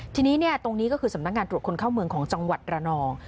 ทีนี้ตรงนี้ก็คือสำนักงานตรวจคนเข้าเมืองของจังหวัดระนอง